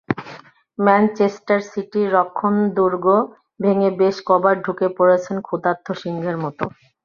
Manchester সিটির রক্ষণদুর্গ ভেঙে বেশ কবার ঢুকে পড়েছেন ক্ষুধার্ত সিংহের মতো।